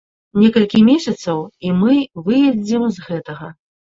Некалькі месяцаў, і мы выедзем з гэтага.